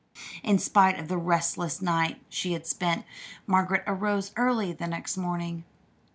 In spite of the restless night she had spent, Margaret arose early the next morning.